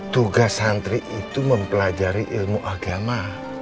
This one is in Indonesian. tugas santri itu mempelajari ilmu agama